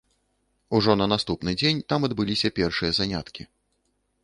Ужо на наступны дзень там адбыліся першыя заняткі.